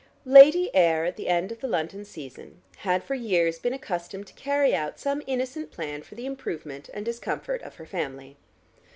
Lady Ayr at the end of the London season had for years been accustomed to carry out some innocent plan for the improvement and discomfort of her family.